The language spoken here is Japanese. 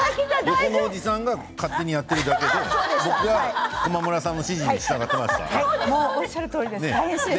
華丸おじさんが勝手にやってるだけで僕は駒村さんの指示に従いました。